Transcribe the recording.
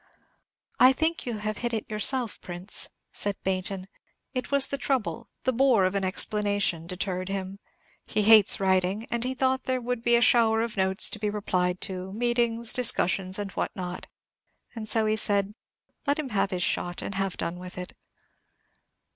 "I think you have hit it yourself, Prince," said Baynton. "It was the trouble, the bore of an explanation, deterred him. He hates writing, and he thought there would be a shower of notes to be replied to, meetings, discussions, and what not; and so he said, 'Let him have his shot, and have done with it.'"